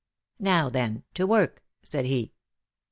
"Now, then, to work!" said he.